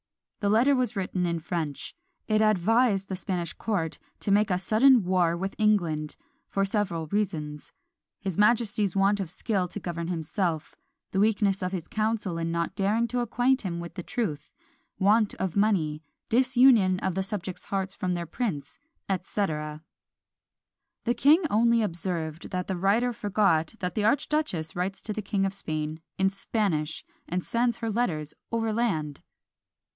The letter was written in French; it advised the Spanish court to make a sudden war with England, for several reasons; his majesty's want of skill to govern of himself; the weakness of his council in not daring to acquaint him with the truth; want of money; disunion of the subjects' hearts from their prince, &c. The king only observed, that the writer forgot that the archduchess writes to the King of Spain in Spanish, and sends her letters overland.